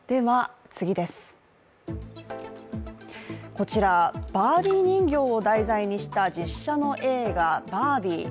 こちら、バービー人形を題材にした実写の映画「バービー」。